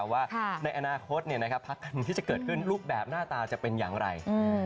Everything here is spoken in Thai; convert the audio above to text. ว่าในอนาคตพักการเมืองที่จะเกิดขึ้นรูปแบบหน้าตาจะเป็นอย่างไร